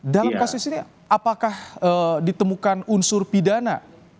dalam kasus ini apakah ditemukan unsur pidana